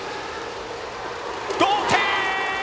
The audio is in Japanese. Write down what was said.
同点！